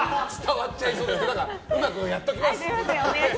うまくやっときます。